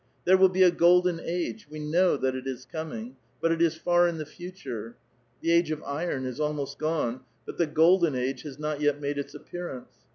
There will be a golden ftS^ ; we know that it is coming, but it is far in the future. *io age of iron is almost gone, but the golden age has not J^^ made its appearance.